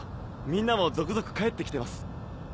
みんなも続々帰ってきてます。